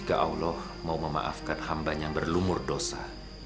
saya akan memaafkan hamba yang berlumur dosa